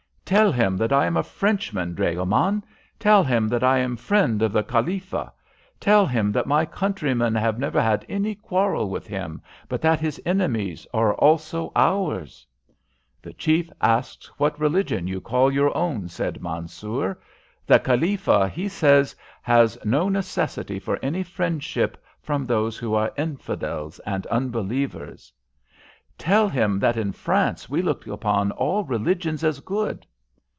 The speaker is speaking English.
"Tell him that I am a Frenchman, dragoman. Tell him that I am a friend of the Khalifa. Tell him that my countrymen have never had any quarrel with him, but that his enemies are also ours." "The chief asks what religion you call your own," said Mansoor. "The Khalifa, he says, has no necessity for any friendship from those who are infidels and unbelievers." "Tell him that in France we look upon all religions as good."